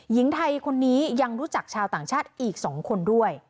หญิงไทยคนนี้ยังรู้จักชาวต่างชาติอีก๒คนด้วย